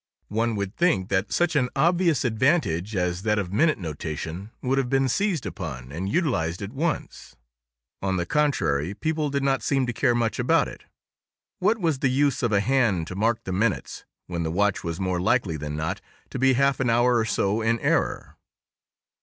One would think that such an obvious advantage as that of minute notation would have been seized upon and utilized at once; on the contrary, people did not seem to care much about it. What was the use of a hand to mark the minutes, when the watch was more likely than not to be half an hour or so in error?